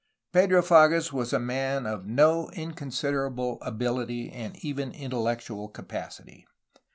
Pedro Fages was a man of no inconsiderable ability and even intellectual capacity.